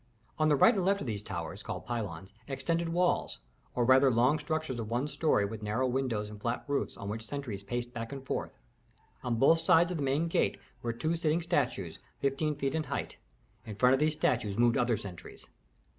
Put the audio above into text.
At the right and left of these towers, called pylons, extended walls, or rather long structures of one story, with narrow windows and flat roofs, on which sentries paced back and forth. On both sides of the main gate were two sitting statues fifteen feet in height. In front of these statues moved other sentries.